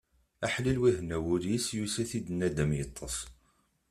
Aḥlil win ihenna wul-is, yusa-t-id naddam yeṭṭes.